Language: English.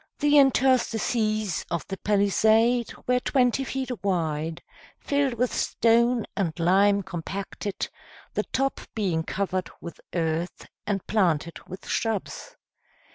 The interstices of the palisade were twenty feet wide, filled with stone and lime compacted, the top being covered with earth, and planted with shrubs.